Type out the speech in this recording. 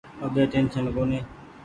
اٻي ٽيشن ڪونيٚ۔